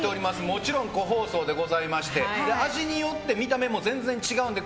もちろん個包装でございまして味によって見た目も全然違うので